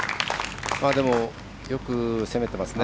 でも、よく攻めてますね。